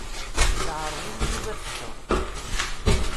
Iɛreḍ-iyi Yuba ad ččeɣ.